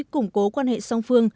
củng cố quan hệ song phương